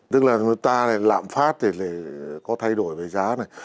tức là người ta lạm phát thì có thay đổi về giá này